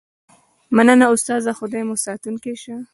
مننه استاده خدای مو ساتونکی شه